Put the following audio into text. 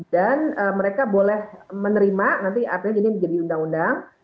dan mereka boleh menerima nanti artinya jadi undang undang